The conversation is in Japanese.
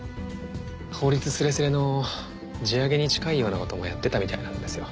法律スレスレの地上げに近いような事もやってたみたいなんですよ。